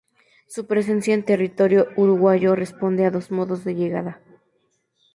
Su presencia en territorio uruguayo responde a dos modos de llegada.